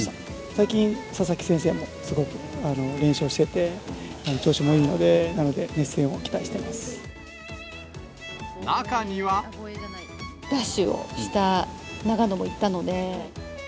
最近、佐々木先生もすごく連勝してて、調子もいいので、なので、中には。奪取をした長野も行ったので。